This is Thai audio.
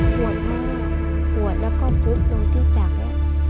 ปวดมากปวดแล้วก็ปุ๊บลงที่จักร